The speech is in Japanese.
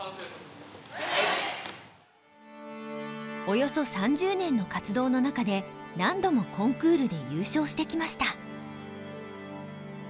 およそ３０年の活動の中で何度もコンクールで優勝してきました。